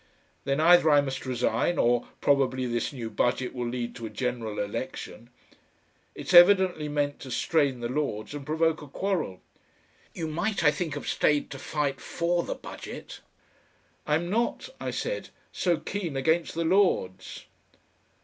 Then either I must resign or probably this new Budget will lead to a General Election. It's evidently meant to strain the Lords and provoke a quarrel." "You might, I think, have stayed to fight for the Budget." "I'm not," I said, "so keen against the Lords."